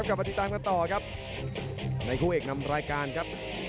เกิดในที่หมัดครับ